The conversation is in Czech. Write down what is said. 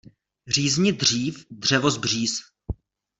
Řízni dřív dřevo z bříz.